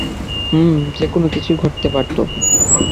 হুম, যে কোনও কিছুই ঘটতে পারত।